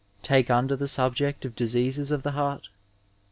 Take under the subject of diseases of the heart.